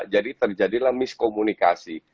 jadi terjadilah miskomunikasi